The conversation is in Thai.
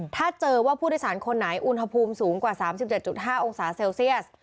ถ้าเจอว่าผู้โดยสารคนไหนอุณหภูมิสูงกว่า๓๗๕องศาเซลเซียส